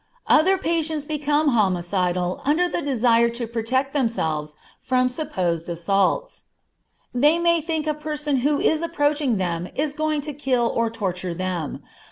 Other patients become homicidal under the desire to protect themselves from supposed assaults. They may think a person who is approaching them is coming to kill or torture them.